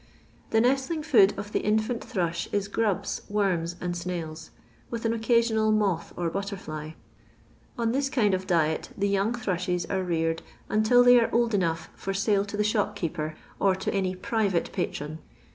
The nestling food of the infant thrush is grubs, worms, and snail:*, with an occasional moth or butterfly. On tiiis kind of diet the young thrushes are reared until they are old enough for sale to the shopkeeper, or to any private patron.